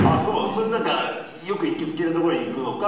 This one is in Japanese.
それなんかよく行きつけの所に行くのか